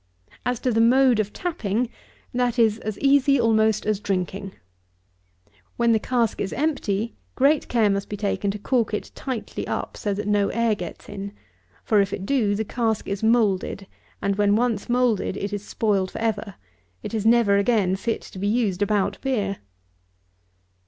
As to the mode of tapping, that is as easy almost as drinking. When the cask is empty, great care must be taken to cork it tightly up, so that no air get in; for, if it do, the cask is moulded, and when once moulded, it is spoiled for ever. It is never again fit to be used about beer.